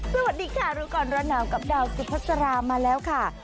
สวัสดีค่ะรุกรณาวกับดาวสุภาษามาแล้วค่ะ